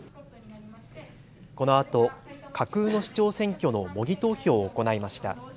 このあと架空の市長選挙の模擬投票を行いました。